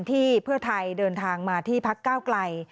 ที่เพื่อไทยเดินทางมาที่พักก้าวไกล